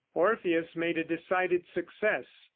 "Orpheus" made a decided success.